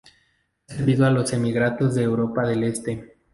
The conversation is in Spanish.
Ha servido a los emigrados de Europa del Este.